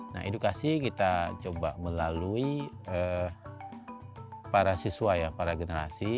nah edukasi kita coba melalui para siswa ya para generasi